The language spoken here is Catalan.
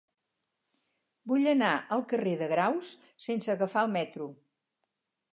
Vull anar al carrer de Graus sense agafar el metro.